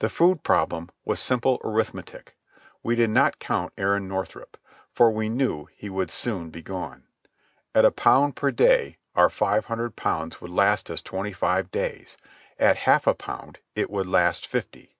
The food problem was simple arithmetic. We did not count Aaron Northrup, for we knew he would soon be gone. At a pound per day, our five hundred pounds would last us twenty five days; at half a pound, it would last fifty.